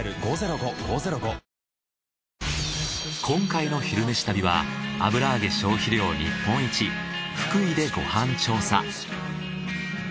今回の「昼めし旅」は福井でご飯調査。